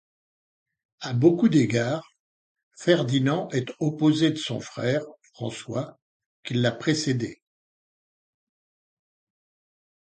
À beaucoup d’égards, Ferdinand est l’opposé de son frère, François, qui l’a précédé.